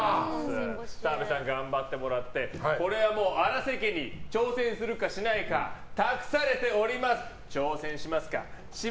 澤部さん、頑張ってもらってこれはもう荒瀬家に挑戦するかしないかあちぃ。